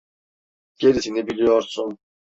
Gerisini biliyorsun.